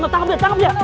tangkap dia tangkap dia